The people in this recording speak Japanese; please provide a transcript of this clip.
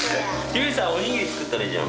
おにぎり作ったらいいじゃん。